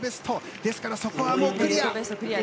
ですからそこはもうクリア。